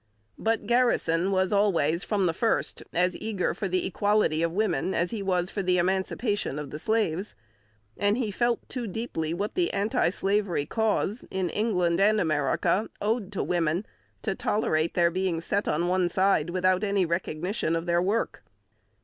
But Garrison was always, from the first, as eager for the equality of women as he was for the emancipation of the slaves; and he felt too deeply what the anti slavery cause in England and America owed to women to tolerate their being set on one side without any recognition of their work.